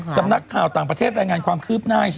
สำนักข่าวต่างประเทศรายงานความคืบหน้า